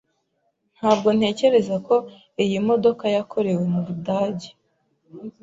Ntabwo ntekereza ko iyi modoka yakorewe mu Budage.